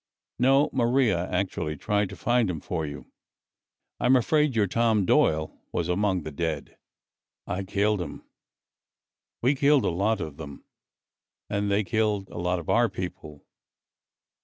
"No. Maria actually tried to find him for you. I'm afraid your Tom Doyle was among the dead." "I killed him." "We killed a lot of them and they killed a lot of our people."